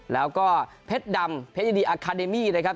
แล้วก็เพชรดำเพชรยินดีอาคาเดมี่นะครับ